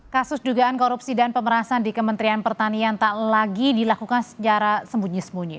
kasus dugaan korupsi dan pemerasan di kementerian pertanian tak lagi dilakukan secara sembunyi sembunyi